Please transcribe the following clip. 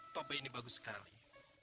topi ini bagus sekali